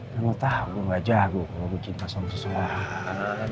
kan lo tau gue gak jago kalo gue cinta sama seseorang